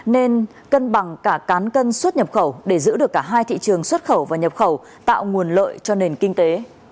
nên cân bằng cả cán cân xuất nhập khẩu để giữ được cả hai thị trường xuất khẩu và nhập khẩu tạo nguồn lợi cho nền kinh tế